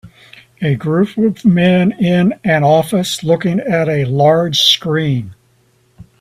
A group of men in an office looking at a large screen.